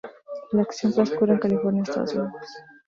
La acción transcurre en California, Estados Unidos.